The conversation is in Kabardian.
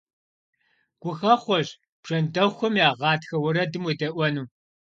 Гухэхъуэщ бжэндэхъухэм я гъатхэ уэрэдым уедэӀуэну!